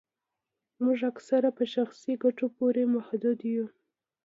موږ اکثره په شخصي ګټو پوري محدود یو